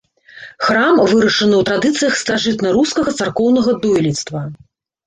Храм вырашаны ў традыцыях старажытнарускага царкоўнага дойлідства.